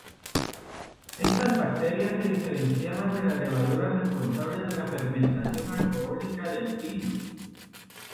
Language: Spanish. Estas bacterias se diferenciaban de las levaduras responsables de la fermentación alcohólica del vino.